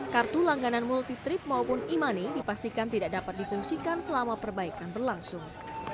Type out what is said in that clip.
kartu langganan multitrip maupun e money dipastikan tidak dapat dipungsikan selama perbaikan berlangsung